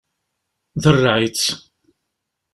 Derreɛ-itt!